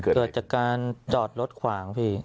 เกิดจากการจอดรถขวางพี่